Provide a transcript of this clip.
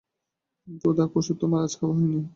দু দাগ ওষুধ তোমার আজ খাওয়া হয় নি।